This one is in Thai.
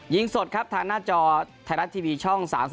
สดครับทางหน้าจอไทยรัฐทีวีช่อง๓๒